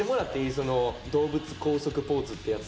その動物高速ポーズってやつ。